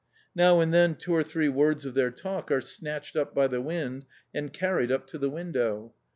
Now and then two or three words of their talk are snatched up by the wind and carried up to the window.